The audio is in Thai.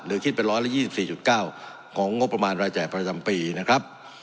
หรือคิดเป็นร้อยแล้ว๒๔๙ของงบประมาณรายจ่ายประจำปีนะครับ